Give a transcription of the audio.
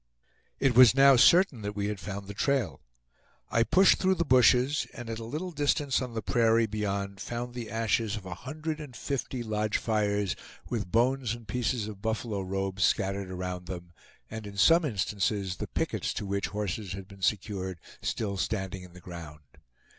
It was now certain that we had found the trail. I pushed through the bushes, and at a little distance on the prairie beyond found the ashes of a hundred and fifty lodge fires, with bones and pieces of buffalo robes scattered around them, and in some instances the pickets to which horses had been secured still standing in the ground.